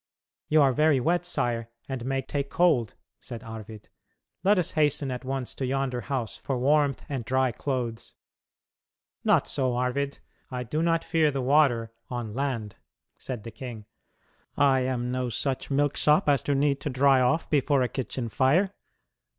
"You are very wet, sire, and may take cold," said Arvid; "let us hasten at once to yonder house for warmth and dry clothes." "Not so, Arvid; I do not fear the water on land," said the king. "I am no such milksop as to need to dry off before a kitchen fire.